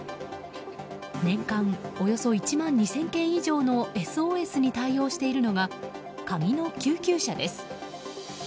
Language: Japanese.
年間およそ１万２０００件以上のＳＯＳに対応しているのがカギの救急車です。